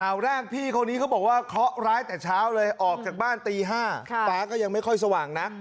แรกพี่คนนี้เขาบอกว่าเคาะร้ายแต่เช้าเลยออกจากบ้านตี๕ฟ้าก็ยังไม่ค่อยสว่างนะ